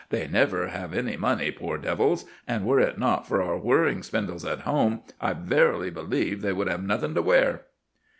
They never have any money, pore devils! and were it not for our whirring spindles at home, I verily believe they would have nothing to wear."